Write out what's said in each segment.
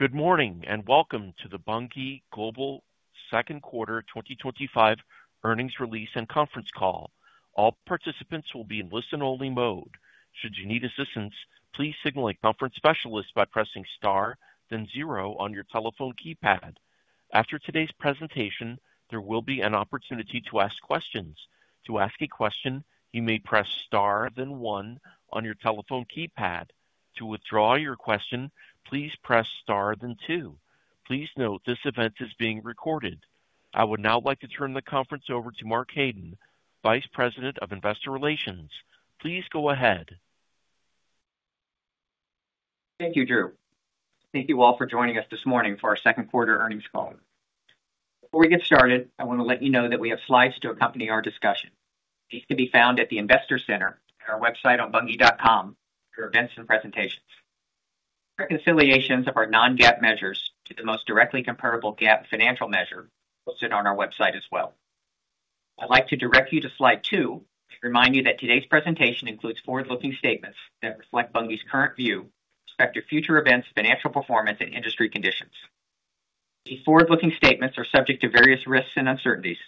Good morning and welcome to the Bunge Global 2nd Quarter 2025 earnings release and conference call. All participants will be in listen-only mode. Should you need assistance, please signal a conference specialist by pressing Star, then Zero on your telephone keypad. After today's presentation, there will be an opportunity to ask questions. To ask a question, you may press *, then One on your telephone keypad. To withdraw your question, please press *, then Two. Please note this event is being recorded. I would now like to turn the conference over to Mark Haden, Vice President of Investor Relations. Please go ahead. Thank you, Drew. Thank you all for joining us this morning for our second quarter earnings call. Before we get started, I want to let you know that we have slides to accompany our discussion. These can be found at the Investor Center on our website at bunge.com for events and presentations. Reconciliations of our non-GAAP measures to the most directly comparable GAAP financial measure are listed on our website as well. I'd like to direct you to slide two to remind you that today's presentation includes forward-looking statements that reflect Bunge's current view with respect to future events, financial performance, and industry conditions. These forward-looking statements are subject to various risks and uncertainties.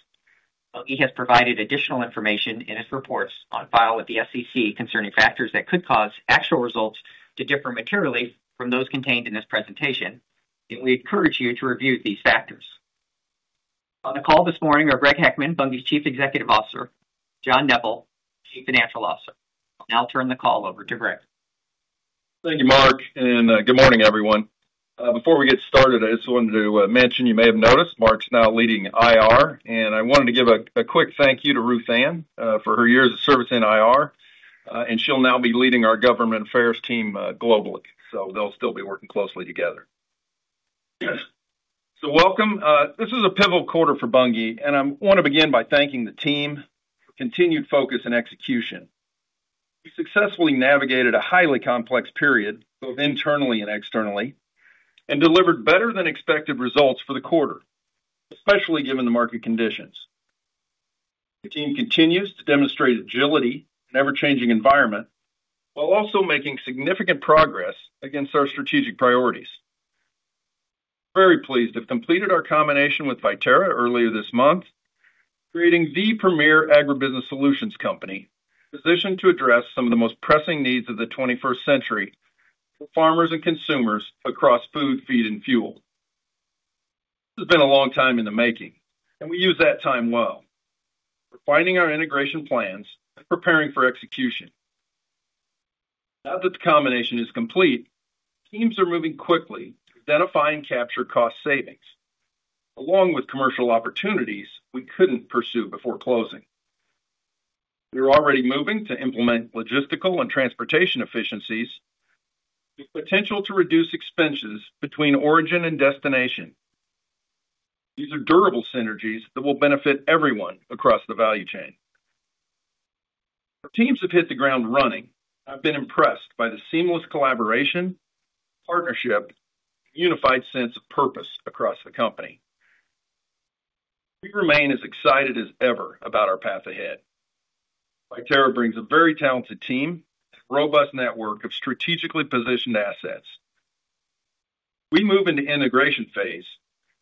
Bunge has provided additional information in its reports on file with the SEC concerning factors that could cause actual results to differ materially from those contained in this presentation, and we encourage you to review these factors. On the call this morning are Greg Heckman, Bunge's Chief Executive Officer, John Neppl, Chief Financial Officer. I'll now turn the call over to Greg. Thank you, Mark, and good morning, everyone. Before we get started, I just wanted to mention you may have noticed Mark's now leading IR, and I wanted to give a quick thank you to Ruth Ann for her years of service in IR, and she'll now be leading our Government Affairs team globally, so they'll still be working closely together. Welcome. This is a pivotal quarter for Bunge, and I want to begin by thanking the team for continued focus and execution. We successfully navigated a highly complex period both internally and externally and delivered better-than-expected results for the quarter, especially given the market conditions. The team continues to demonstrate agility in an ever-changing environment while also making significant progress against our strategic priorities. We're very pleased to have completed our combination with Viterra earlier this month. Creating the premier agribusiness solutions company positioned to address some of the most pressing needs of the 21st century for farmers and consumers across food, feed, and fuel. This has been a long time in the making, and we used that time well. We're refining our integration plans and preparing for execution. Now that the combination is complete, teams are moving quickly to identify and capture cost savings, along with commercial opportunities we couldn't pursue before closing. We are already moving to implement logistical and transportation efficiencies, with potential to reduce expenses between origin and destination. These are durable synergies that will benefit everyone across the value chain. Our teams have hit the ground running, and I've been impressed by the seamless collaboration, partnership, and unified sense of purpose across the company. We remain as excited as ever about our path ahead. Viterra brings a very talented team and a robust network of strategically positioned assets. As we move into the integration phase,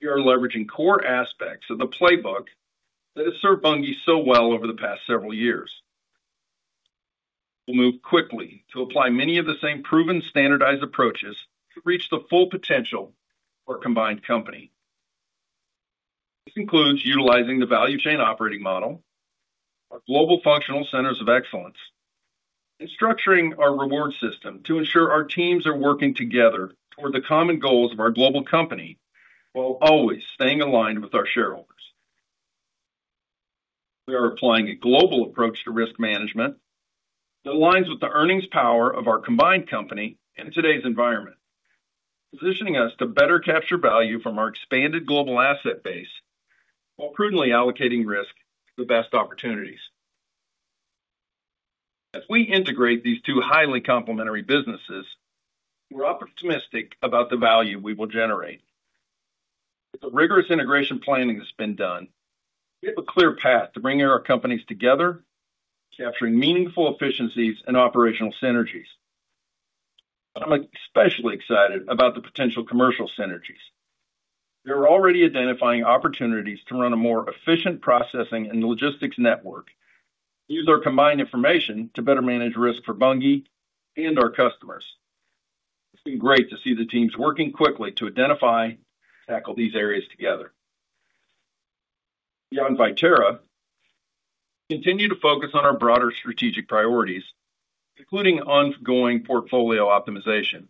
we are leveraging core aspects of the playbook that has served Bunge so well over the past several years. We'll move quickly to apply many of the same proven standardized approaches to reach the full potential of our combined company. This includes utilizing the value chain operating model, our global functional centers of excellence, and structuring our reward system to ensure our teams are working together toward the common goals of our global company, while always staying aligned with our shareholders. We are applying a global approach to risk management. That aligns with the earnings power of our combined company and today's environment. Positioning us to better capture value from our expanded global asset base. While prudently allocating risk to the best opportunities. As we integrate these two highly complementary businesses, we're optimistic about the value we will generate. With the rigorous integration planning that's been done, we have a clear path to bringing our companies together, capturing meaningful efficiencies and operational synergies. I'm especially excited about the potential commercial synergies. We are already identifying opportunities to run a more efficient processing and logistics network. Using our combined information to better manage risk for Bunge and our customers. It's been great to see the teams working quickly to identify and tackle these areas together. Beyond Viterra. We continue to focus on our broader strategic priorities, including ongoing portfolio optimization.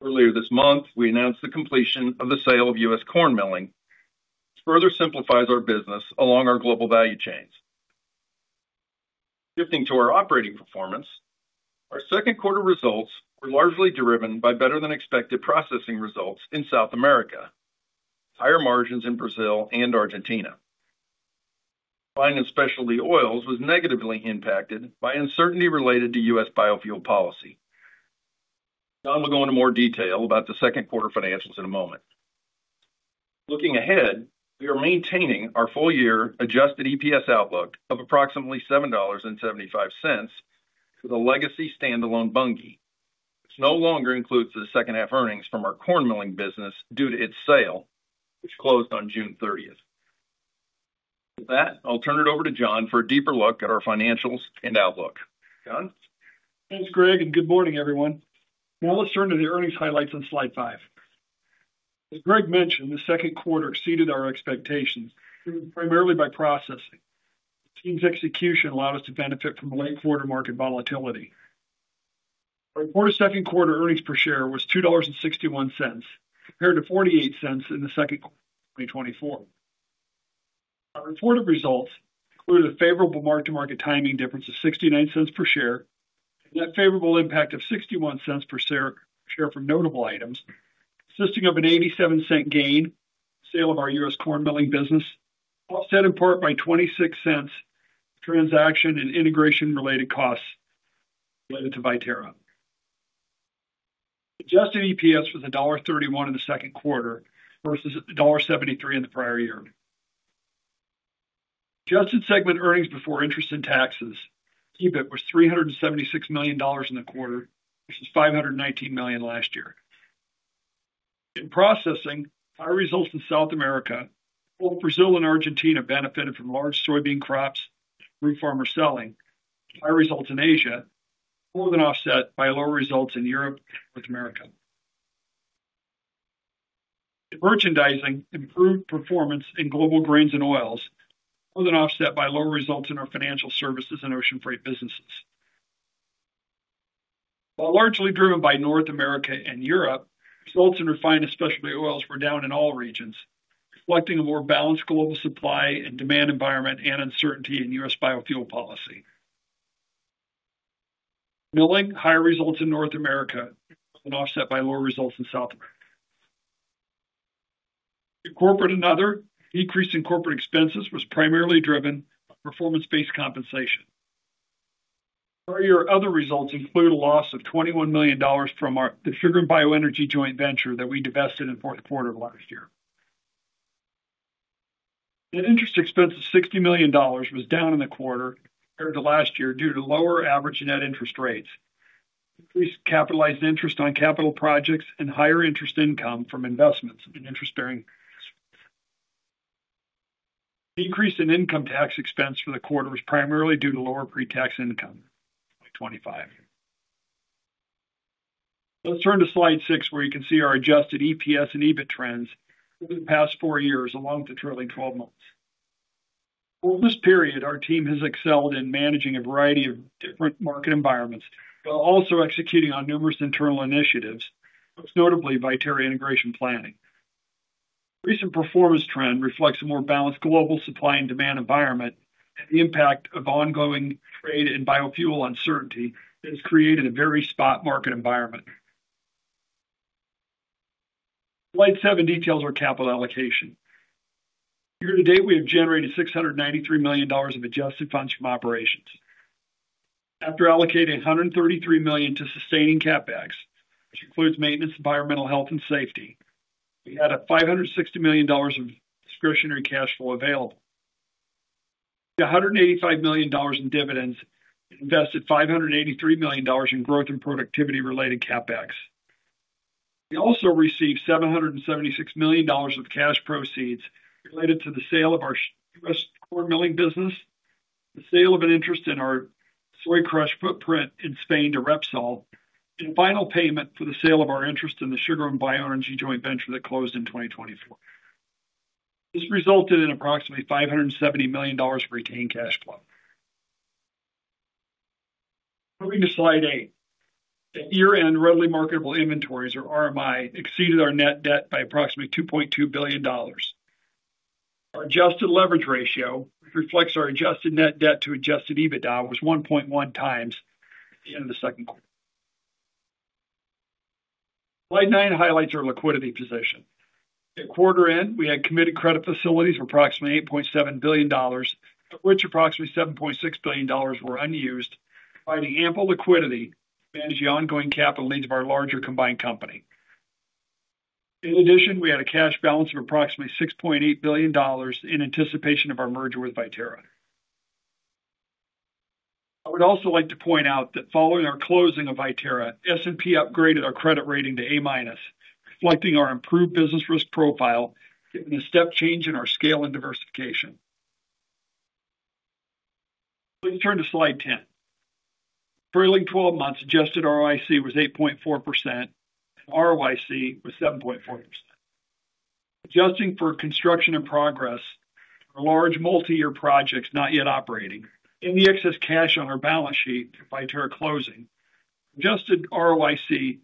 Earlier this month, we announced the completion of the sale of U.S. corn milling. Which further simplifies our business along our global value chains. Shifting to our operating performance, our second quarter results were largely driven by better-than-expected processing results in South America. With higher margins in Brazil and Argentina. Combined and specialty oils were negatively impacted by uncertainty related to U.S. biofuel policy. John will go into more detail about the second quarter financials in a moment. Looking ahead, we are maintaining our full-year adjusted EPS outlook of approximately $7.75. For the legacy standalone Bunge. This no longer includes the second-half earnings from our corn milling business due to its sale, which closed on June 30th. With that, I'll turn it over to John for a deeper look at our financials and outlook. John? Thanks, Greg, and good morning, everyone. Now let's turn to the earnings highlights on slide five. As Greg mentioned, the second quarter exceeded our expectations primarily by processing. The team's execution allowed us to benefit from late quarter market volatility. Our reported second quarter earnings per share was $2.61, compared to $0.48 in the second quarter of 2024. Our reported results include a favorable mark-to-market timing difference of $0.69 per share and that favorable impact of $0.61 per share for notable items, consisting of an $0.87 gain from the sale of our U.S. corn milling business, offset in part by $0.26 transaction and integration-related costs related to Viterra. Adjusted EPS was $1.31 in the second quarter versus $1.73 in the prior year. Adjusted segment earnings before interest and taxes, EBIT, was $376 million in the quarter, which was $519 million last year. In processing, high results in South America, as well as Brazil and Argentina, benefited from large soybean crops and fruit farmers selling, with high results in Asia, more than offset by lower results in Europe and North America. In merchandising, improved performance in global grains and oils, more than offset by lower results in our financial services and ocean freight businesses. While largely driven by North America and Europe, results in refined and specialty oils were down in all regions, reflecting a more balanced global supply and demand environment and uncertainty in U.S. biofuel policy. Milling, higher results in North America, more than offset by lower results in South America. In corporate and other, decrease in corporate expenses was primarily driven by performance-based compensation. Prior year other results include a loss of $21 million from our distributed bioenergy joint venture that we divested in the fourth quarter of last year. Net interest expense of $60 million was down in the quarter compared to last year due to lower average net interest rates, increased capitalized interest on capital projects, and higher interest income from investments in interest-bearing instruments. Decrease in income tax expense for the quarter was primarily due to lower pre-tax income in 2025. Let's turn to slide six, where you can see our adjusted EPS and EBIT trends over the past four years, along with the trailing 12 months. Over this period, our team has excelled in managing a variety of different market environments while also executing on numerous internal initiatives, most notably Viterra integration planning. Recent performance trend reflects a more balanced global supply and demand environment and the impact of ongoing trade and biofuel uncertainty that has created a very spot market environment. Slide seven details our capital allocation. Year to date, we have generated $693 million of adjusted funds from operations. After allocating $133 million to sustaining CAPEX, which includes maintenance, environmental health, and safety, we had $560 million of discretionary cash flow available. $185 million in dividends and invested $583 million in growth and productivity-related CAPEX. We also received $776 million of cash proceeds related to the sale of our U.S. corn milling business, the sale of an interest in our soy crush footprint in Spain to Repsol, and a final payment for the sale of our interest in the sugar and bioenergy joint venture that closed in 2024. This resulted in approximately $570 million of retained cash flow. Moving to slide eight. At year-end, readily marketable inventories, or RMI, exceeded our net debt by approximately $2.2 billion. Our adjusted leverage ratio, which reflects our adjusted net debt to adjusted EBITDA, was 1.1 times at the end of the second quarter. Slide nine highlights our liquidity position. At quarter end, we had committed credit facilities of approximately $8.7 billion, of which approximately $7.6 billion were unused, providing ample liquidity to manage the ongoing capital needs of our larger combined company. In addition, we had a cash balance of approximately $6.8 billion in anticipation of our merger with Viterra. I would also like to point out that following our closing of Viterra, S&P upgraded our credit rating to A-, reflecting our improved business risk profile and a step change in our scale and diversification. Please turn to slide ten. For the trailing 12 months, adjusted ROIC was 8.4%. And ROIC was 7.4%. Adjusting for construction in progress for large multi-year projects not yet operating, and the excess cash on our balance sheet at Viterra closing, adjusted ROIC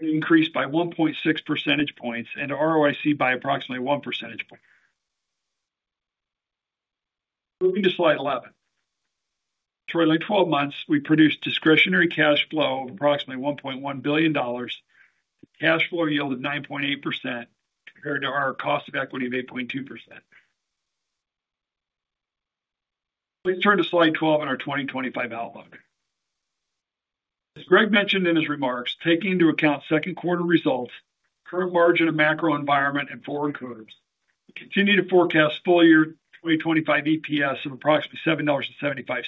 increased by 1.6 percentage points and ROIC by approximately 1 percentage point. Moving to slide 11. In trailing 12 months, we produced discretionary cash flow of approximately $1.1 billion. Cash flow yielded 9.8% compared to our cost of equity of 8.2%. Please turn to slide 12 in our 2025 outlook. As Greg mentioned in his remarks, taking into account second quarter results, current margin of macro environment, and forward curves, we continue to forecast full-year 2025 EPS of approximately $7.75.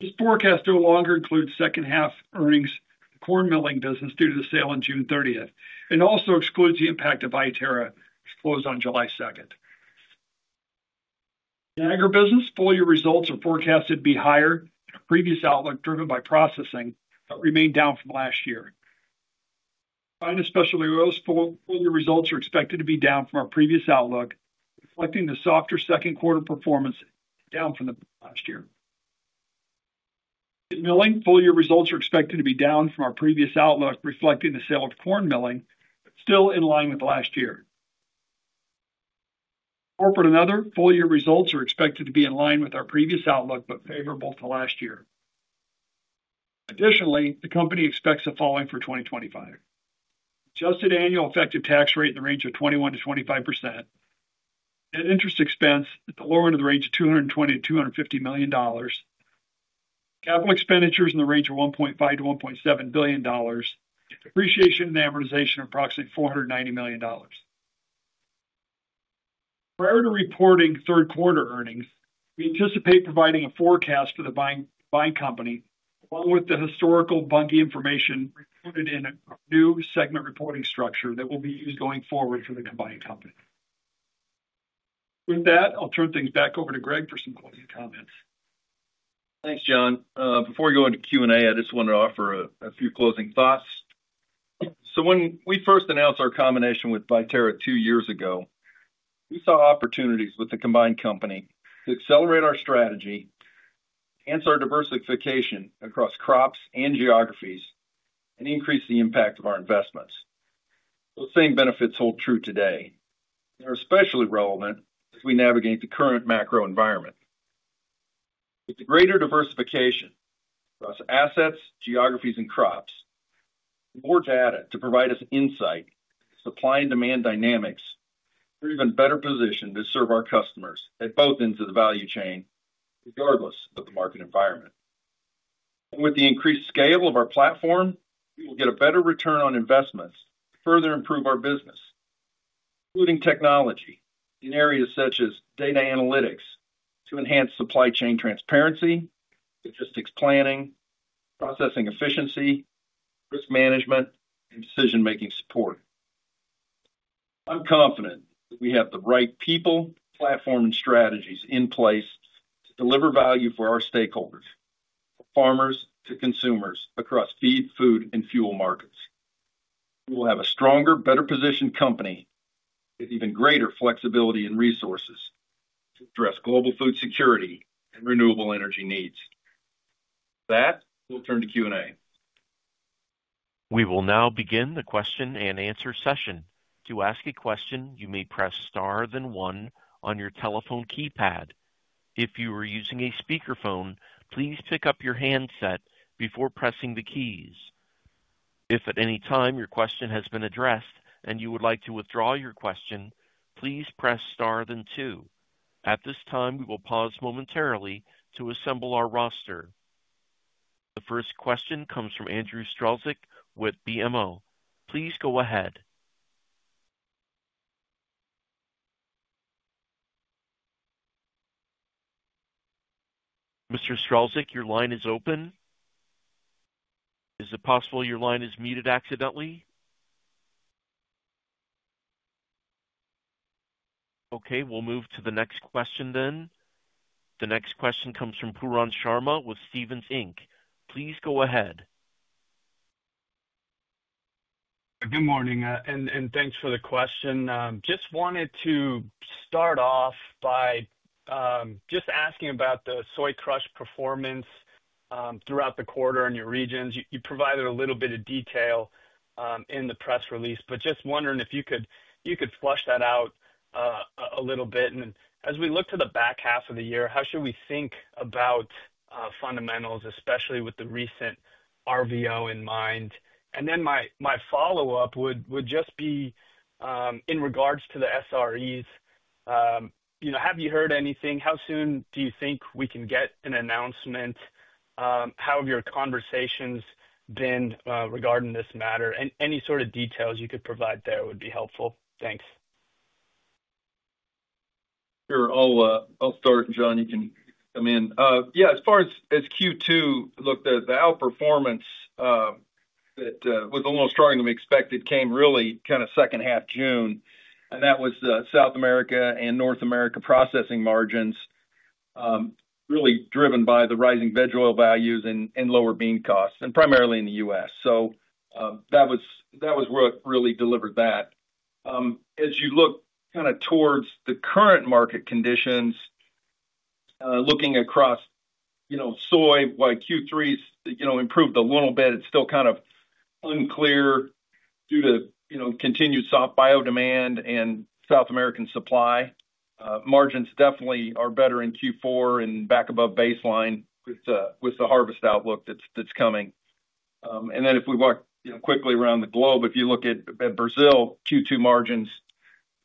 This forecast no longer includes second-half earnings for the corn milling business due to the sale on June 30, and also excludes the impact of Viterra which closed on July 2. In agribusiness, full-year results are forecast to be higher than our previous outlook driven by processing but remain down from last year. Combined and specialty oils, full-year results are expected to be down from our previous outlook, reflecting the softer second quarter performance down from the last year. In milling, full-year results are expected to be down from our previous outlook, reflecting the sale of corn milling, but still in line with last year. In corporate and other, full-year results are expected to be in line with our previous outlook but favorable to last year. Additionally, the company expects the following for 2025. Adjusted annual effective tax rate in the range of 21%-25%. Net interest expense at the lower end of the range of $220 million-$250 million. Capital expenditures in the range of $1.5 billion-$1.7 billion. And depreciation and amortization of approximately $490 million. Prior to reporting third quarter earnings, we anticipate providing a forecast for the combined company, along with the historical Bunge information included in a new segment reporting structure that will be used going forward for the combined company. With that, I'll turn things back over to Greg for some closing comments. Thanks, John. Before we go into Q&A, I just wanted to offer a few closing thoughts. When we first announced our combination with Viterra two years ago, we saw opportunities with the combined company to accelerate our strategy, enhance our diversification across crops and geographies, and increase the impact of our investments. Those same benefits hold true today. They're especially relevant as we navigate the current macro environment. With the greater diversification across assets, geographies, and crops, more data to provide us insight into supply and demand dynamics, we're even better positioned to serve our customers at both ends of the value chain, regardless of the market environment. With the increased scale of our platform, we will get a better return on investments to further improve our business, including technology in areas such as data analytics to enhance supply chain transparency, logistics planning, processing efficiency, risk management, and decision-making support. I'm confident that we have the right people, platform, and strategies in place to deliver value for our stakeholders, from farmers to consumers across feed, food, and fuel markets. We will have a stronger, better-positioned company with even greater flexibility and resources to address global food security and renewable energy needs. With that, we'll turn to Q&A. We will now begin the question and answer session. To ask a question, you may press star then one on your telephone keypad. If you are using a speakerphone, please pick up your handset before pressing the keys. If at any time your question has been addressed and you would like to withdraw your question, please press star then two. At this time, we will pause momentarily to assemble our roster. The first question comes from Andrew Strzelczyk with BMO. Please go ahead. Mr. Strzelczyk, your line is open. Is it possible your line is muted accidentally? Okay. We'll move to the next question then. The next question comes from Puran Sharma with Stevens Inc. Please go ahead. Good morning, and thanks for the question. Just wanted to start off by just asking about the soy crush performance throughout the quarter in your regions. You provided a little bit of detail in the press release, but just wondering if you could flesh that out a little bit. As we look to the back half of the year, how should we think about fundamentals, especially with the recent RVO in mind? My follow-up would just be in regards to the SREs. Have you heard anything? How soon do you think we can get an announcement? How have your conversations been regarding this matter? Any sort of details you could provide there would be helpful. Thanks. Sure. I'll start, John. You can come in. Yeah. As far as Q2, look, the outperformance that was almost stronger than we expected came really kind of second half June. And that was South America and North America processing margins, really driven by the rising veg oil values and lower bean costs, and primarily in the U.S. That was what really delivered that. As you look kind of towards the current market conditions, looking across soy, while Q3 improved a little bit, it's still kind of unclear due to continued soft bio demand and South American supply. Margins definitely are better in Q4 and back above baseline with the harvest outlook that's coming. If we walk quickly around the globe, if you look at Brazil, Q2 margins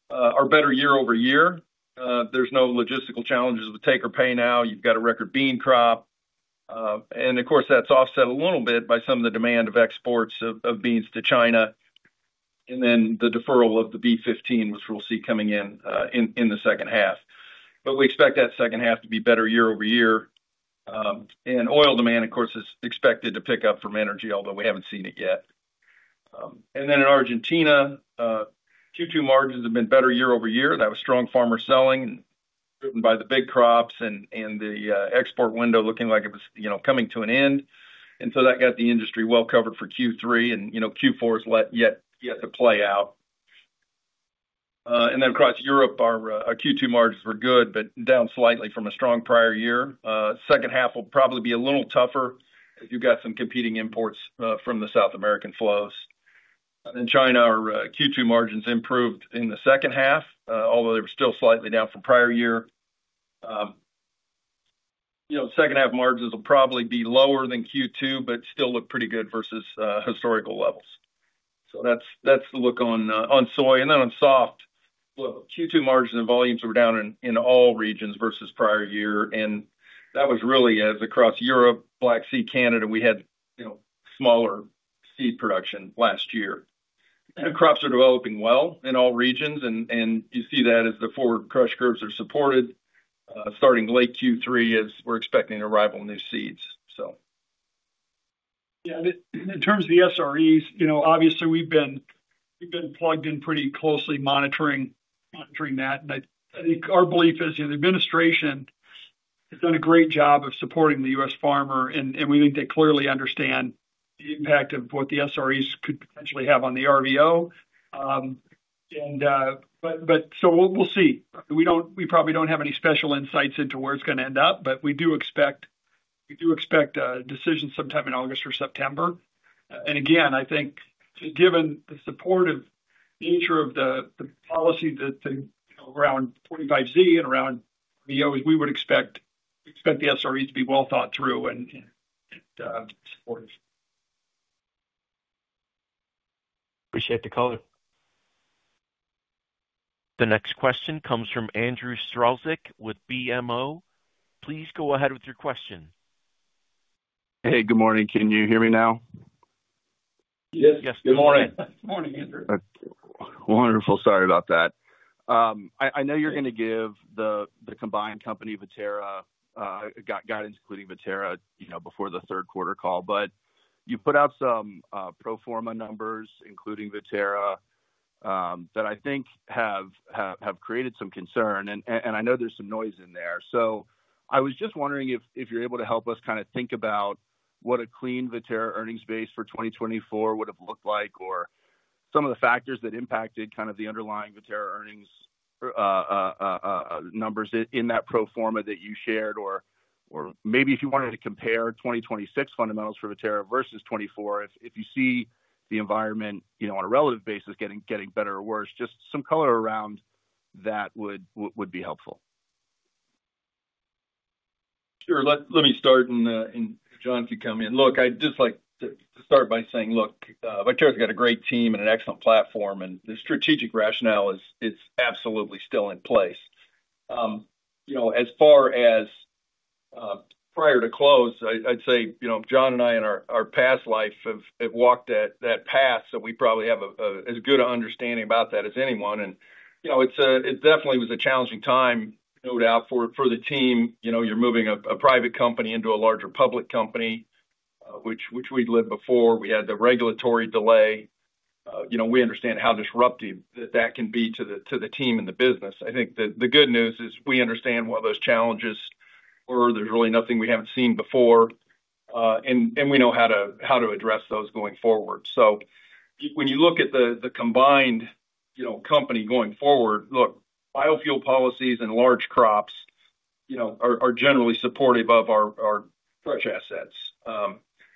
are better year over year. There's no logistical challenges with take or pay now. You've got a record bean crop, and of course, that's offset a little bit by some of the demand of exports of beans to China, and then the deferral of the B15, which we'll see coming in in the second half. We expect that second half to be better year over year, and oil demand, of course, is expected to pick up from energy, although we haven't seen it yet. In Argentina, Q2 margins have been better year over year. That was strong farmer selling driven by the big crops and the export window looking like it was coming to an end, and so that got the industry well covered for Q3, and Q4 is yet to play out. Across Europe, our Q2 margins were good, but down slightly from a strong prior year. Second half will probably be a little tougher if you've got some competing imports from the South American flows. In China, our Q2 margins improved in the second half, although they were still slightly down from prior year. Second-half margins will probably be lower than Q2, but still look pretty good versus historical levels. That's the look on soy. On soft, Q2 margins and volumes were down in all regions versus prior year, and that was really as across Europe, Black Sea, Canada, we had smaller seed production last year. Crops are developing well in all regions, and you see that as the forward crush curves are supported starting late Q3, as we're expecting arrival of new seeds. Yeah. In terms of the SREs, obviously, we've been plugged in pretty closely monitoring that. I think our belief is the administration has done a great job of supporting the U.S. farmer, and we think they clearly understand the impact of what the SREs could potentially have on the RVO. We probably don't have any special insights into where it's going to end up, but we do expect a decision sometime in August or September. Again, I think just given the supportive nature of the policy around 45Z and around RVOs, we would expect the SREs to be well thought through and supportive. Appreciate the call. The next question comes from Andrew Strzelczyk with BMO. Please go ahead with your question. Hey, good morning. Can you hear me now? Yes. Good morning. Good morning, Andrew. Wonderful. Sorry about that. I know you're going to give the combined company Viterra guidance, including Viterra, before the third quarter call. You put out some pro forma numbers, including Viterra, that I think have created some concern. I know there's some noise in there. I was just wondering if you're able to help us kind of think about what a clean Viterra earnings base for 2024 would have looked like, or some of the factors that impacted kind of the underlying Viterra earnings. Numbers in that pro forma that you shared, or maybe if you wanted to compare 2026 fundamentals for Viterra versus 2024, if you see the environment on a relative basis getting better or worse, just some color around that would be helpful. Sure. Let me start, and John can come in. Look, I'd just like to start by saying, look, Viterra's got a great team and an excellent platform, and the strategic rationale is absolutely still in place. As far as prior to close, I'd say John and I in our past life have walked that path, so we probably have as good an understanding about that as anyone. It definitely was a challenging time, no doubt, for the team. You're moving a private company into a larger public company, which we'd lived before. We had the regulatory delay. We understand how disruptive that can be to the team and the business. I think the good news is we understand what those challenges were. There's really nothing we haven't seen before. We know how to address those going forward. When you look at the combined company going forward, look, biofuel policies and large crops are generally supportive of our crush assets.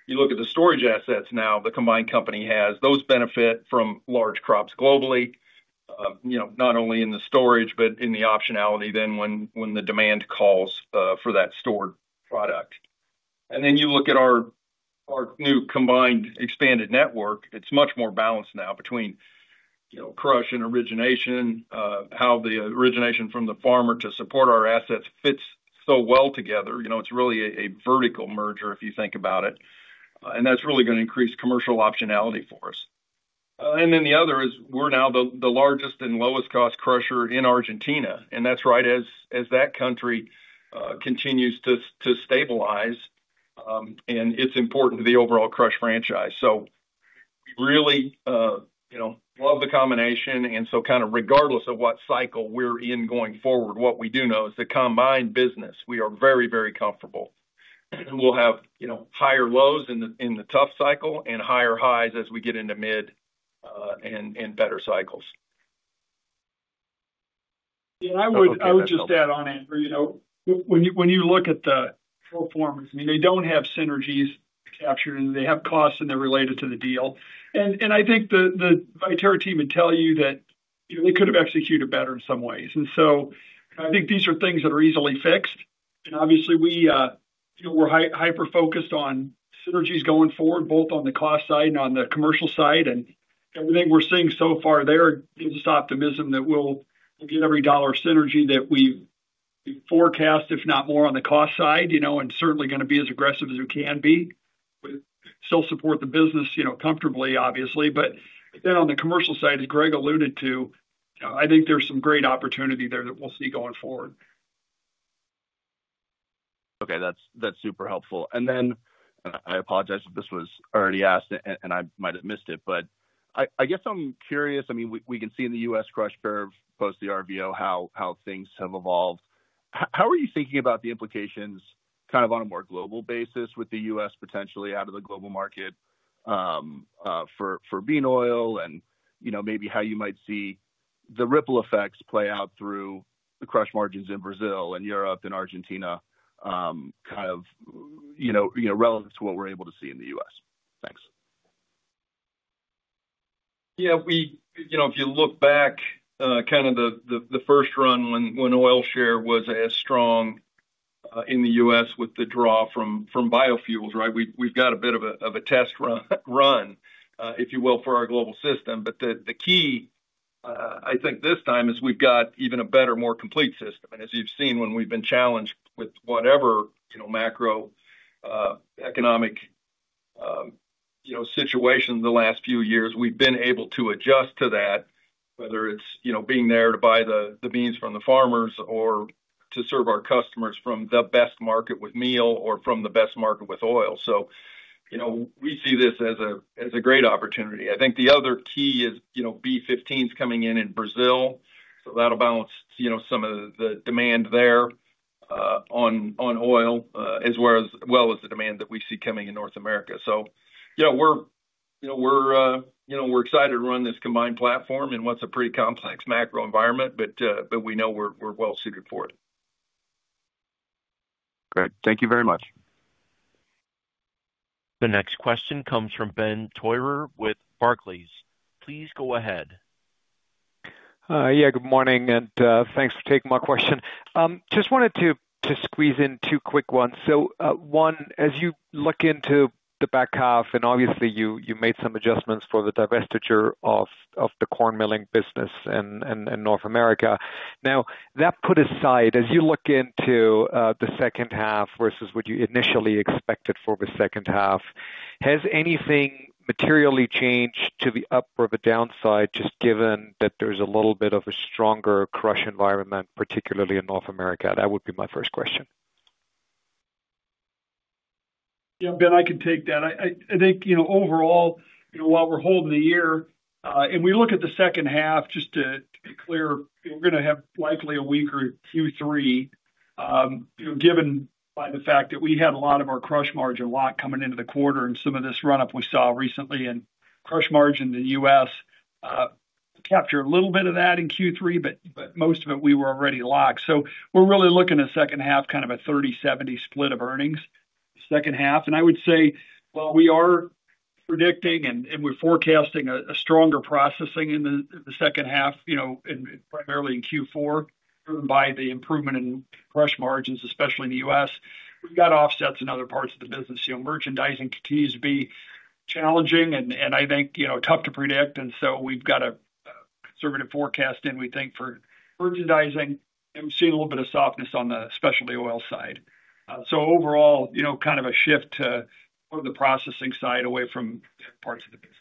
You look at the storage assets now the combined company has. Those benefit from large crops globally, not only in the storage, but in the optionality then when the demand calls for that stored product. You look at our new combined expanded network, it's much more balanced now between crush and origination, how the origination from the farmer to support our assets fits so well together. It's really a vertical merger if you think about it. That's really going to increase commercial optionality for us. The other is we're now the largest and lowest-cost crusher in Argentina, and that's right as that country continues to stabilize. It's important to the overall crush franchise. We really love the combination. Kind of regardless of what cycle we're in going forward, what we do know is the combined business, we are very, very comfortable and we'll have higher lows in the tough cycle and higher highs as we get into mid and better cycles. Yeah. I would just add on, Andrew. When you look at the pro formas, I mean, they do not have synergies captured. They have costs and they are related to the deal. I think the Viterra team would tell you that they could have executed better in some ways. I think these are things that are easily fixed. Obviously, we were hyper-focused on synergies going forward, both on the cost side and on the commercial side. Everything we are seeing so far there gives us optimism that we will get every dollar synergy that we forecast, if not more on the cost side, and certainly going to be as aggressive as we can be, while still supporting the business comfortably, obviously. On the commercial side, as Greg alluded to, I think there is some great opportunity there that we will see going forward. Okay. That's super helpful. I apologize if this was already asked, and I might have missed it, but I guess I'm curious. I mean, we can see in the U.S. crush curve post the RVO how things have evolved. How are you thinking about the implications kind of on a more global basis with the U.S. potentially out of the global market for bean oil and maybe how you might see the ripple effects play out through the crush margins in Brazil and Europe and Argentina, kind of relative to what we're able to see in the U.S.? Thanks. Yeah. If you look back, kind of the first run when oil share was as strong. In the U.S. with the draw from biofuels, right, we've got a bit of a test run, if you will, for our global system. The key, I think, this time is we've got even a better, more complete system. As you've seen when we've been challenged with whatever macroeconomic situation the last few years, we've been able to adjust to that, whether it's being there to buy the beans from the farmers or to serve our customers from the best market with meal or from the best market with oil. We see this as a great opportunity. I think the other key is B15 is coming in in Brazil. That'll balance some of the demand there on oil as well as the demand that we see coming in North America. We're excited to run this combined platform in what's a pretty complex macro environment, but we know we're well suited for it. Great. Thank you very much. The next question comes from Ben Toyer with Barclays. Please go ahead. Yeah. Good morning, and thanks for taking my question. Just wanted to squeeze in two quick ones. One, as you look into the back half, and obviously, you made some adjustments for the divestiture of the corn milling business in North America. Now, that put aside, as you look into the second half versus what you initially expected for the second half, has anything materially changed to the up or the downside just given that there's a little bit of a stronger crush environment, particularly in North America? That would be my first question. Yeah. Ben, I can take that. I think overall, while we're holding the year, and we look at the second half, just to be clear, we're going to have likely a weaker Q3. Given by the fact that we had a lot of our crush margin locked coming into the quarter and some of this run-up we saw recently in crush margin in the U.S. Capture a little bit of that in Q3, but most of it we were already locked. We are really looking at a second half kind of a 30/70 split of earnings, second half. I would say, while we are predicting and we're forecasting a stronger processing in the second half, primarily in Q4, driven by the improvement in crush margins, especially in the U.S., we've got offsets in other parts of the business. Merchandising continues to be challenging, and I think tough to predict. We have a conservative forecast in, we think, for merchandising, and we've seen a little bit of softness on the specialty oil side. Overall, kind of a shift to more of the processing side away from parts of the business.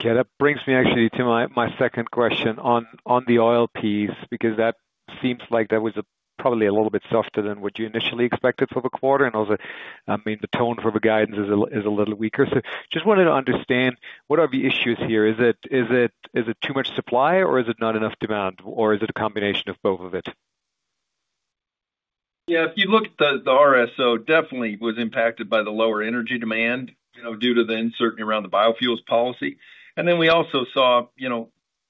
Okay. That brings me actually to my second question on the oil piece because that seems like that was probably a little bit softer than what you initially expected for the quarter. I mean, the tone for the guidance is a little weaker. Just wanted to understand, what are the issues here? Is it too much supply, or is it not enough demand, or is it a combination of both of it? Yeah. If you look at the RSO, definitely was impacted by the lower energy demand due to the uncertainty around the biofuels policy. We also saw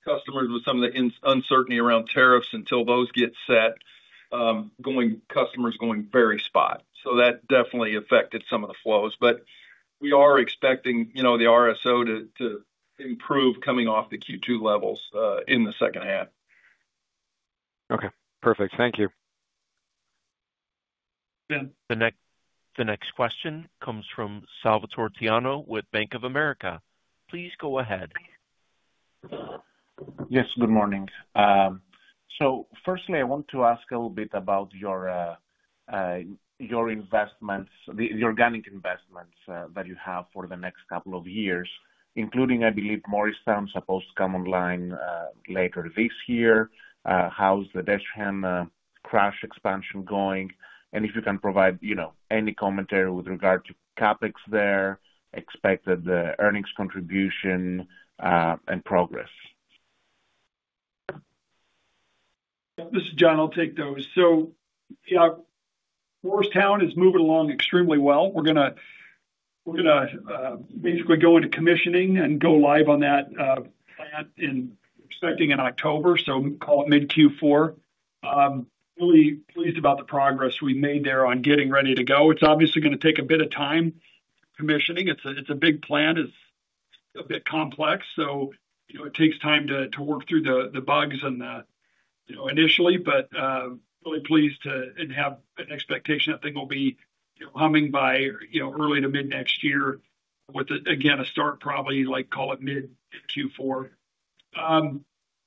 customers with some of the uncertainty around tariffs until those get set. Customers going very spot. That definitely affected some of the flows. We are expecting the RSO to improve coming off the Q2 levels in the second half. Okay. Perfect. Thank you. Ben. The next question comes from Salvatore Tiano with Bank of America. Please go ahead. Yes. Good morning. Firstly, I want to ask a little bit about your investments, the organic investments that you have for the next couple of years, including, I believe, Morristown is supposed to come online later this year. How is the Destrehem crush expansion going? If you can provide any commentary with regard to CapEx there, expected earnings contribution, and progress. This is John. I'll take those. Morristown is moving along extremely well. We're going to basically go into commissioning and go live on that plant in, expecting in October, so call it mid-Q4. Really pleased about the progress we made there on getting ready to go. It's obviously going to take a bit of time commissioning. It's a big plant. It's a bit complex. It takes time to work through the bugs initially, but really pleased and have an expectation I think will be humming by early to mid next year with, again, a start probably call it mid-Q4.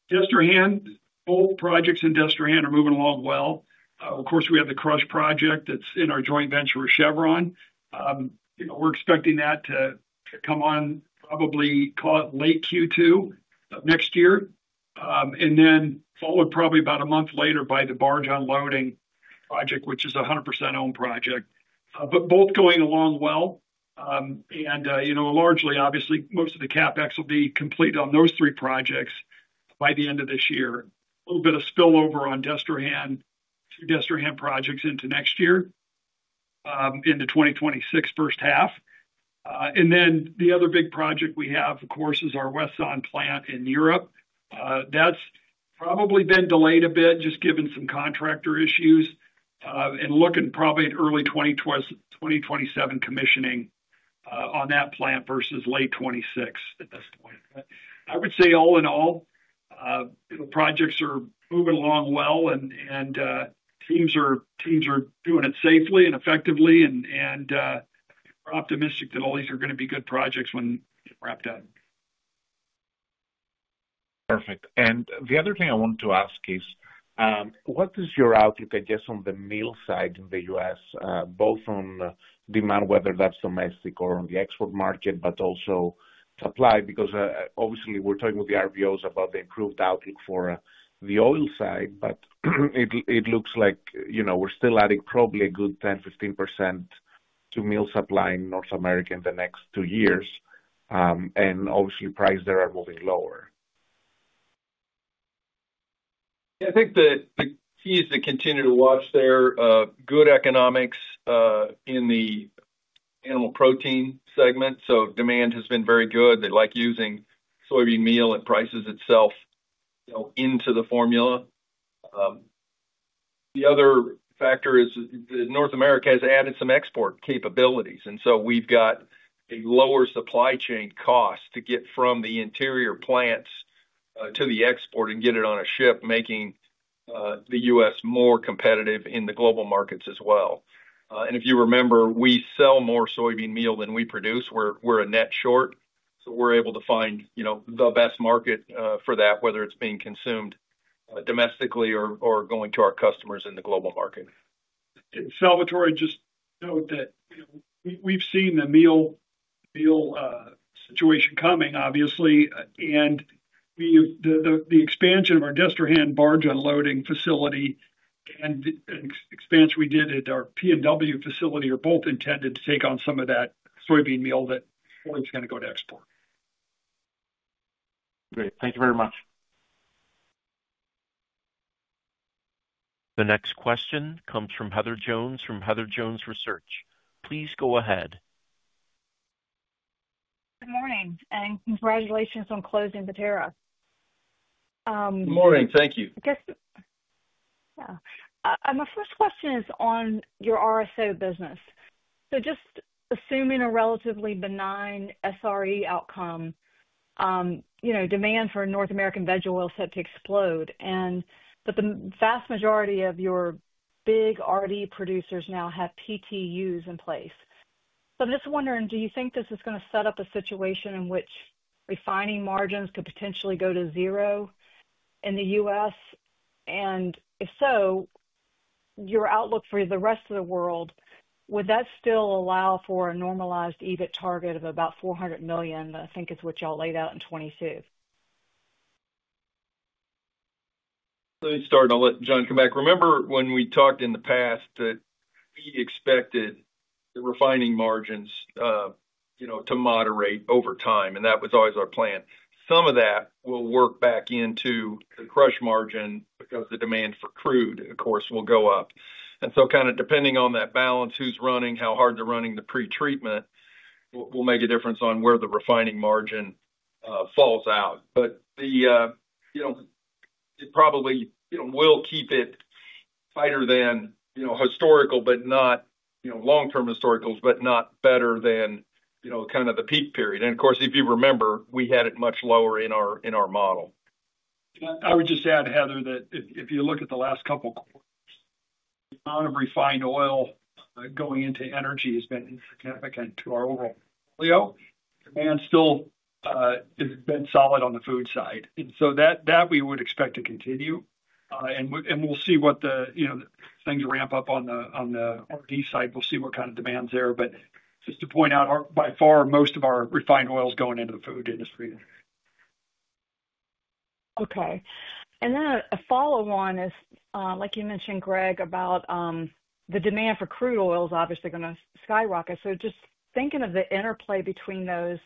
Destrehem, both projects in Destrehem are moving along well. Of course, we have the crush project that's in our joint venture with Chevron. We're expecting that to come on probably, call it late Q2 of next year. Then followed probably about a month later by the barge unloading project, which is a 100% owned project. Both going along well. Largely, obviously, most of the CapEx will be complete on those three projects by the end of this year. A little bit of spillover on Destrehem, two Destrehem projects into next year, in the 2026 first half. The other big project we have, of course, is our Weston plant in Europe. That's probably been delayed a bit just given some contractor issues. Looking probably at early 2027 commissioning on that plant versus late 2026 at this point. I would say all in all, the projects are moving along well, and teams are doing it safely and effectively. We're optimistic that all these are going to be good projects when wrapped up. Perfect. The other thing I want to ask is, what is your outlook, I guess, on the meal side in the U.S., both on demand, whether that's domestic or on the export market, but also supply? Obviously, we're talking with the RVOs about the improved outlook for the oil side. It looks like we're still adding probably a good 10-15% to meal supply in North America in the next two years, and obviously, prices there are moving lower. Yeah. I think the key is to continue to watch their good economics in the animal protein segment. Demand has been very good. They like using soybean meal and prices itself into the formula. The other factor is that North America has added some export capabilities. We have a lower supply chain cost to get from the interior plants to the export and get it on a ship, making the U.S. more competitive in the global markets as well. If you remember, we sell more soybean meal than we produce. We are a net short. We are able to find the best market for that, whether it is being consumed domestically or going to our customers in the global market. Salvatore, just note that we've seen the meal situation coming, obviously. The expansion of our Destrehem barge unloading facility and the expanse we did at our P&W facility are both intended to take on some of that soybean meal that's going to go to export. Great. Thank you very much. The next question comes from Heather Jones from Heather Jones Research. Please go ahead. Good morning. Congratulations on closing the tariff. Good morning. Thank you. Yeah. My first question is on your RSO business. Just assuming a relatively benign SRE outcome. Demand for North American veg oil set to explode. The vast majority of your big RD producers now have PTUs in place. I am just wondering, do you think this is going to set up a situation in which refining margins could potentially go to zero in the U.S.? If so, your outlook for the rest of the world, would that still allow for a normalized EBIT target of about $400 million? I think it is what y'all laid out in 2022. Let me start. I'll let John come back. Remember when we talked in the past that we expected the refining margins to moderate over time, and that was always our plan. Some of that will work back into the crush margin because the demand for crude, of course, will go up. Kind of depending on that balance, who's running, how hard they're running the pretreatment, will make a difference on where the refining margin falls out. It probably will keep it tighter than historical, but not long-term historicals, but not better than kind of the peak period. Of course, if you remember, we had it much lower in our model. I would just add, Heather, that if you look at the last couple of quarters, the amount of refined oil going into energy has been significant to our overall portfolio. Demand still has been solid on the food side, and that we would expect to continue. We will see what the things ramp up on the RD side. We will see what kind of demand is there. Just to point out, by far, most of our refined oil is going into the food industry. Okay. A follow-up one is, like you mentioned, Greg, about the demand for crude oil is obviously going to skyrocket. Just thinking of the interplay between those,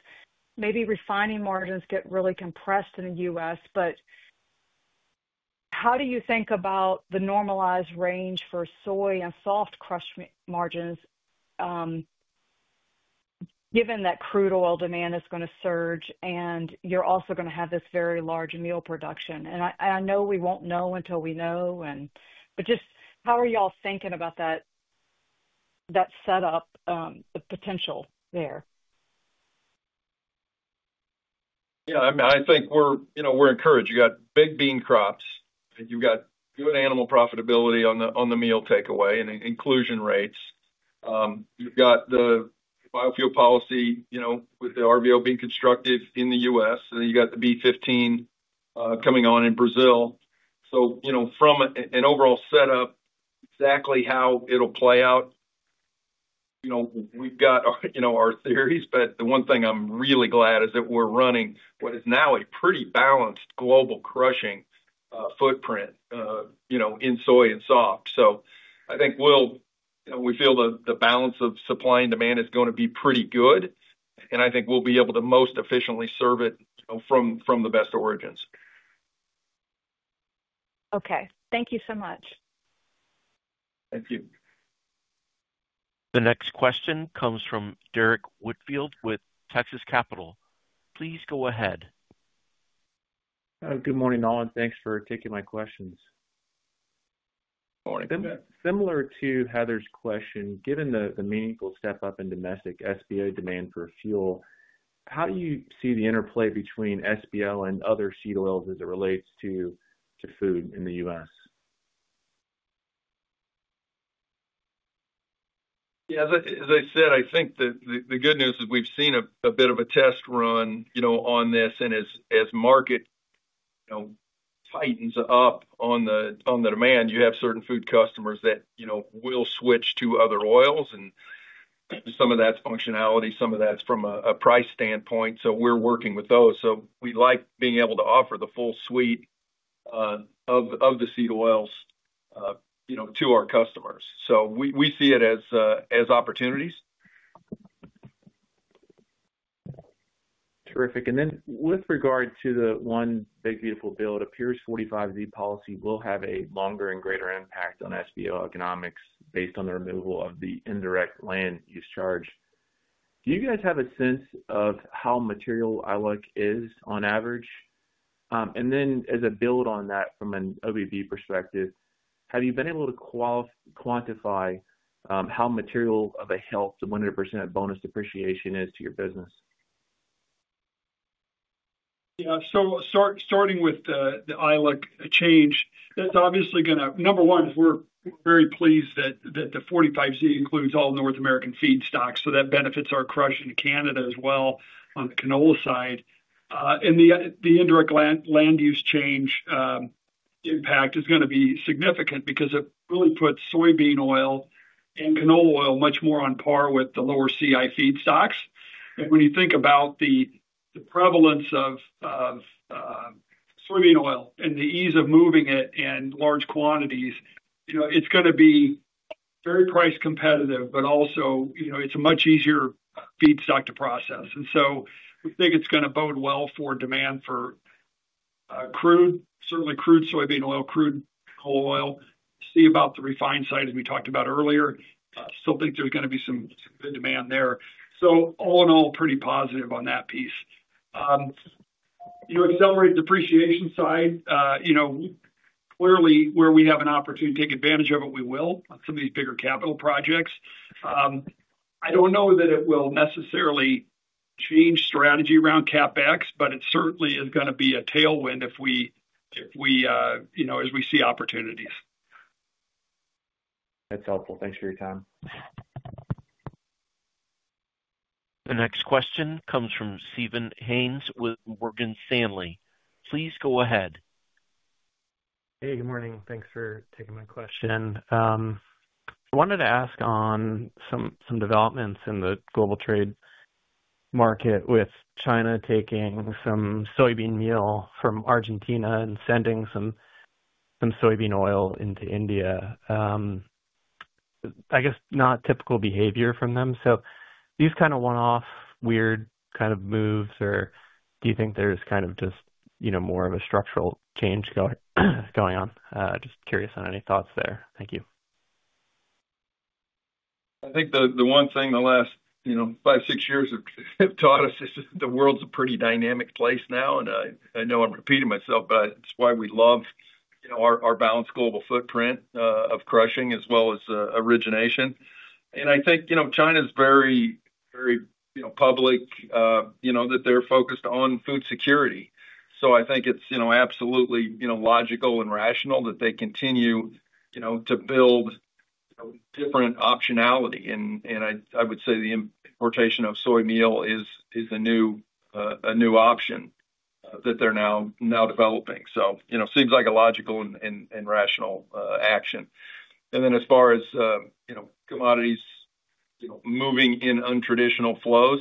maybe refining margins get really compressed in the U.S., but how do you think about the normalized range for soy and soft crush margins, given that crude oil demand is going to surge and you're also going to have this very large meal production? I know we will not know until we know, but just how are y'all thinking about that setup, the potential there? Yeah. I mean, I think we're encouraged. You got big bean crops. You've got good animal profitability on the meal takeaway and inclusion rates. You've got the biofuel policy with the RVO being constructed in the U.S. You got the B15 coming on in Brazil. From an overall setup, exactly how it'll play out, we've got our theories, but the one thing I'm really glad is that we're running what is now a pretty balanced global crushing footprint in soy and soft. I think we feel the balance of supply and demand is going to be pretty good. I think we'll be able to most efficiently serve it from the best origins. Okay. Thank you so much. Thank you. The next question comes from Derek Woodfield with Texas Capital. Please go ahead. Good morning, Allen. Thanks for taking my questions. Good morning. Similar to Heather's question, given the meaningful step up in domestic SBO demand for fuel, how do you see the interplay between SBO and other seed oils as it relates to food in the U.S.? Yeah. As I said, I think the good news is we've seen a bit of a test run on this. As market tightens up on the demand, you have certain food customers that will switch to other oils. Some of that's functionality. Some of that's from a price standpoint. We're working with those. We like being able to offer the full suite of the seed oils to our customers. We see it as opportunities. Terrific. With regard to the one big, beautiful bill, it appears 45Z policy will have a longer and greater impact on SBO economics based on the removal of the indirect land use charge. Do you guys have a sense of how material ILEC is on average? As a build on that from an OBB perspective, have you been able to quantify how material of a help to 100% bonus depreciation is to your business? Yeah. Starting with the ILEC change, that's obviously going to, number one, we're very pleased that the 45Z includes all North American feed stocks. That benefits our crush in Canada as well on the canola side. The indirect land use change impact is going to be significant because it really puts soybean oil and canola oil much more on par with the lower CI feed stocks. When you think about the prevalence of soybean oil and the ease of moving it in large quantities, it's going to be very price competitive, but also it's a much easier feed stock to process. We think it's going to bode well for demand for crude, certainly crude soybean oil, crude canola oil. See about the refined side as we talked about earlier. Still think there's going to be some good demand there. All in all, pretty positive on that piece. Accelerated depreciation side, clearly, where we have an opportunity to take advantage of it, we will on some of these bigger capital projects. I don't know that it will necessarily change strategy around CapEx, but it certainly is going to be a tailwind as we see opportunities. That's helpful. Thanks for your time. The next question comes from Stephen Haynes with Morgan Stanley. Please go ahead. Hey, good morning. Thanks for taking my question. I wanted to ask on some developments in the global trade market with China taking some soybean meal from Argentina and sending some soybean oil into India. I guess not typical behavior from them. Are these kind of one-off weird kind of moves, or do you think there's kind of just more of a structural change going on? Just curious on any thoughts there. Thank you. I think the one thing the last five, six years have taught us is that the world's a pretty dynamic place now. I know I'm repeating myself, but it's why we love our balanced global footprint of crushing as well as origination. I think China's very public that they're focused on food security. I think it's absolutely logical and rational that they continue to build different optionality. I would say the importation of soy meal is a new option that they're now developing. It seems like a logical and rational action. As far as commodities moving in untraditional flows,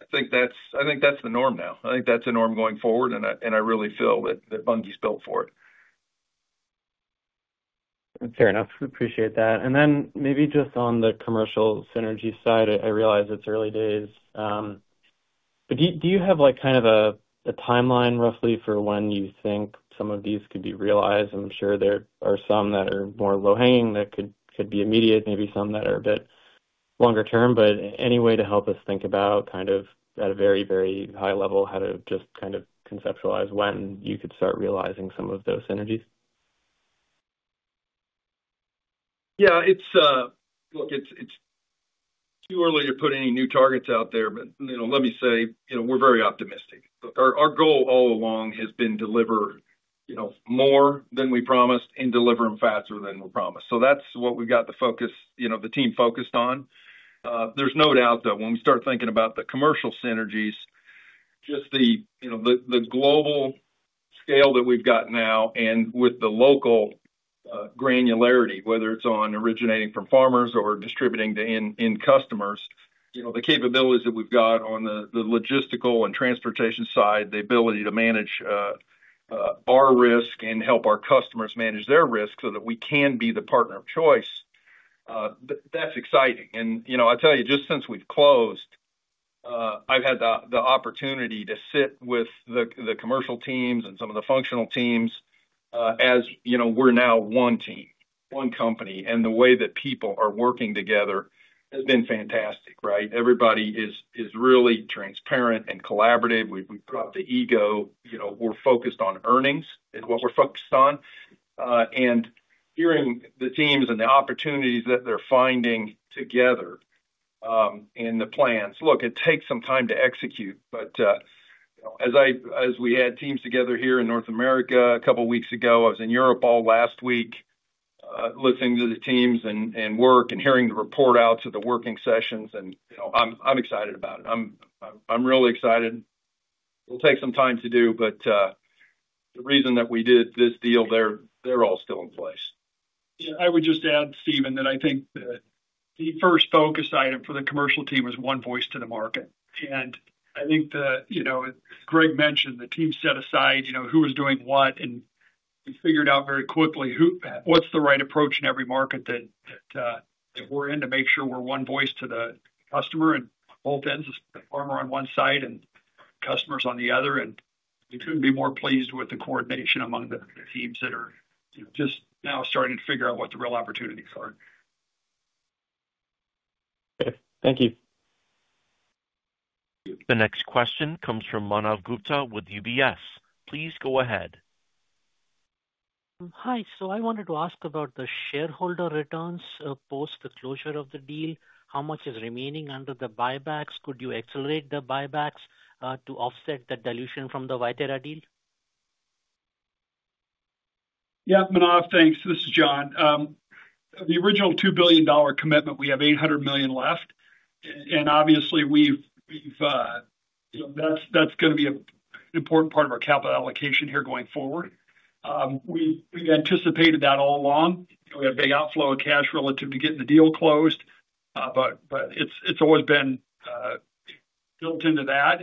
I think that's the norm now. I think that's a norm going forward. I really feel that Bunge's built for it. Fair enough. Appreciate that. Maybe just on the commercial synergy side, I realize it's early days. Do you have kind of a timeline roughly for when you think some of these could be realized? I'm sure there are some that are more low-hanging that could be immediate, maybe some that are a bit longer term. Any way to help us think about, at a very, very high level, how to just kind of conceptualize when you could start realizing some of those synergies? Yeah. Look, it's too early to put any new targets out there, but let me say we're very optimistic. Our goal all along has been to deliver more than we promised and deliver them faster than we promised. That is what we've got the team focused on. There's no doubt, though, when we start thinking about the commercial synergies, just the global scale that we've got now and with the local granularity, whether it's on originating from farmers or distributing to end customers, the capabilities that we've got on the logistical and transportation side, the ability to manage our risk and help our customers manage their risk so that we can be the partner of choice. That's exciting. I tell you, just since we've closed, I've had the opportunity to sit with the commercial teams and some of the functional teams as we're now one team, one company. The way that people are working together has been fantastic, right? Everybody is really transparent and collaborative. We've dropped the ego. We're focused on earnings is what we're focused on. Hearing the teams and the opportunities that they're finding together in the plans. Look, it takes some time to execute. As we had teams together here in North America a couple of weeks ago, I was in Europe all last week listening to the teams and work and hearing the report out to the working sessions. I'm excited about it. I'm really excited. It'll take some time to do, but the reason that we did this deal, they're all still in place. Yeah. I would just add, Stephen, that I think the first focus item for the commercial team was one voice to the market. I think Greg mentioned the team set aside who was doing what, and we figured out very quickly what's the right approach in every market that we're in to make sure we're one voice to the customer and both ends, the farmer on one side and customers on the other. We could not be more pleased with the coordination among the teams that are just now starting to figure out what the real opportunities are. Okay. Thank you. The next question comes from Manav Gupta with UBS. Please go ahead. Hi. I wanted to ask about the shareholder returns post the closure of the deal. How much is remaining under the buybacks? Could you accelerate the buybacks to offset the dilution from the Viterra deal? Yeah. Manav, thanks. This is John. The original $2 billion commitment, we have $800 million left. Obviously, that's going to be an important part of our capital allocation here going forward. We've anticipated that all along. We have a big outflow of cash relative to getting the deal closed. It's always been built into that.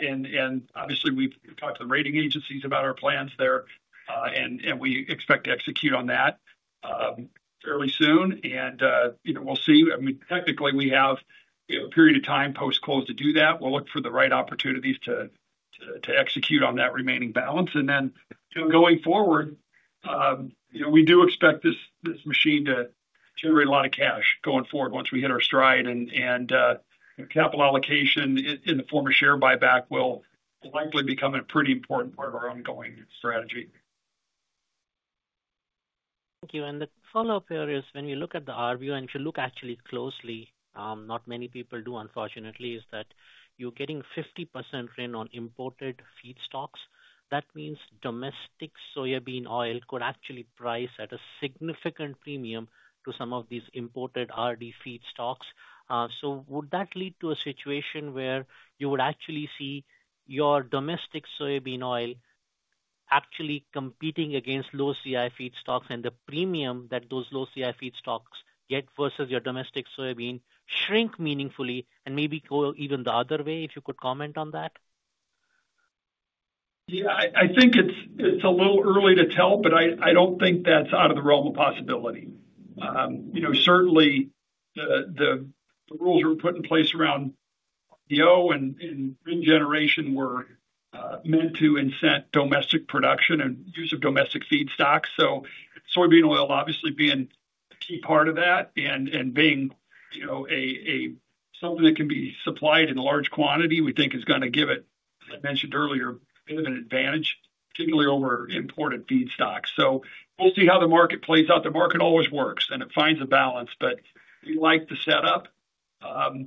Obviously, we've talked to the rating agencies about our plans there, and we expect to execute on that fairly soon. We'll see. I mean, technically, we have a period of time post-close to do that. We'll look for the right opportunities to execute on that remaining balance. Going forward, we do expect this machine to generate a lot of cash going forward once we hit our stride. Capital allocation in the form of share buyback will likely become a pretty important part of our ongoing strategy. Thank you. The follow-up here is when we look at the RVO, and if you look actually closely, not many people do, unfortunately, is that you're getting 50% win on imported feed stocks. That means domestic soybean oil could actually price at a significant premium to some of these imported RD feed stocks. Would that lead to a situation where you would actually see your domestic soybean oil actually competing against low CI feed stocks and the premium that those low CI feed stocks get versus your domestic soybean shrink meaningfully and maybe go even the other way? If you could comment on that. Yeah. I think it's a little early to tell, but I don't think that's out of the realm of possibility. Certainly, the rules we're putting in place around RDO and green generation were meant to incent domestic production and use of domestic feed stocks. So soybean oil obviously being a key part of that and being something that can be supplied in a large quantity, we think is going to give it, as I mentioned earlier, a bit of an advantage, particularly over imported feed stocks. We'll see how the market plays out. The market always works, and it finds a balance. We like the setup.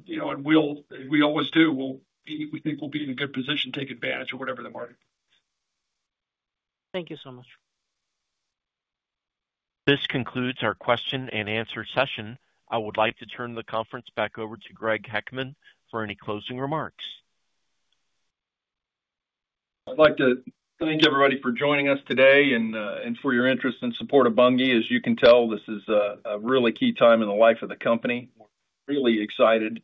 We always do. We think we'll be in a good position to take advantage of whatever the market. Thank you so much. This concludes our question and answer session. I would like to turn the conference back over to Greg Heckman for any closing remarks. I'd like to thank everybody for joining us today and for your interest and support of Bunge. As you can tell, this is a really key time in the life of the company. We're really excited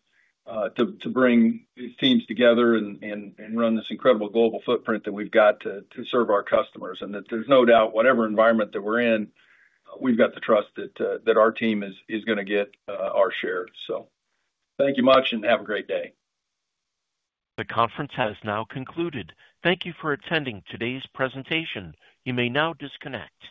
to bring these teams together and run this incredible global footprint that we've got to serve our customers. There's no doubt whatever environment that we're in, we've got the trust that our team is going to get our share. Thank you much and have a great day. The conference has now concluded. Thank you for attending today's presentation. You may now disconnect.